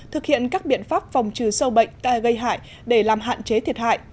thực hiện các biện pháp phòng trừ sâu bệnh gây hại để làm hạn chế thiệt hại